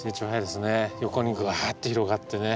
横にぐわって広がってね。